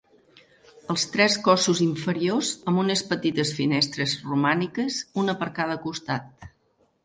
Els tres cossos inferiors amb unes petites finestres romàniques, una per cada costat.